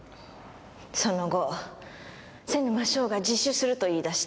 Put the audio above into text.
その後瀬沼翔が自首すると言い出して。